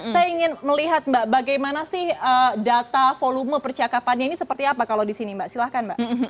saya ingin melihat mbak bagaimana sih data volume percakapannya ini seperti apa kalau di sini mbak silahkan mbak